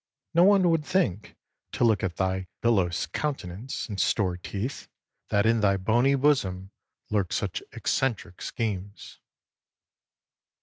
No one would think, to look at thy bilious countenance and store teeth, that in thy bony bosom lurked such eccentric schemes.